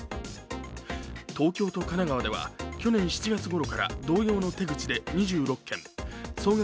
東京と神奈川では去年７月ごろから同様の手口で２６件総額